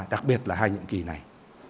đặc biệt là hai nhiệm kỳ này